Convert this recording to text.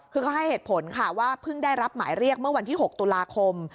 คือเขาให้เหตุผลค่ะว่าเพิ่งได้รับหมายเรียกเมื่อวันที่๖ตุลาคม